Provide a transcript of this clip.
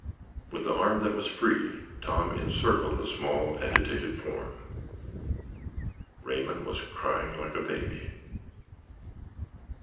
With the arm that was free Tom encircled the small, agitated form. Raymond was crying like a baby.